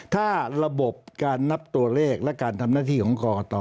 ถ้าระบบการนับตัวเลขและการทำหน้าที่ของกรกต